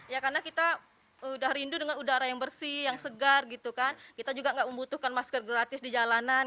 ya karena kita udah rindu dengan udara yang bersih yang segar gitu kan kita juga nggak membutuhkan masker gratis di jalanan